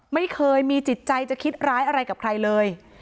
ไม่เคยมีจิตใจจะคิดร้ายอะไรกับใครเลย